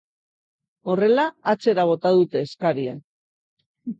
Horrela, atzera bota dute eskaria.